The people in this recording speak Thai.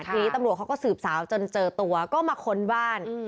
ทีนี้ตำรวจเขาก็สืบสาวจนเจอตัวก็มาค้นบ้าน